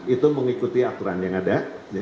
itu mengikuti aturan yang ada